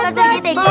pasri giti lama